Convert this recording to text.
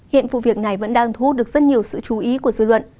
hiện vụ việc này vẫn đang thu hút được rất nhiều sự chú ý của dư luận